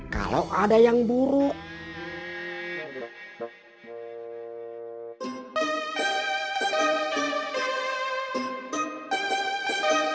kalau sesuatu itu baru bisa dibilang baik